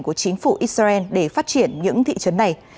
của chính phủ israel để phát triển những thị trấn này